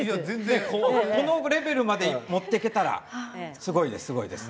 このレベルまで持っていけたらすごいです。